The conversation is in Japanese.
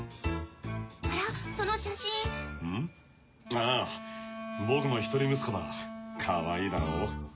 あぁ僕の１人息子だかわいいだろ？